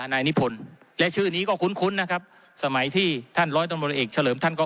นายนิพนธ์และชื่อนี้ก็คุ้นนะครับสมัยที่ท่านร้อยตำรวจเอกเฉลิมท่านก็